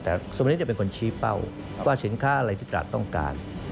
แต่ส่วนวันนี้จะเป็นคนชี้เป้าว่าสินค้าอะไรที่ตราดต้องการ